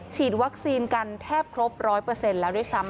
ฉีดวัคซีนกันแทบครบร้อยเปอร์เซ็นต์แล้วด้วยซ้ำ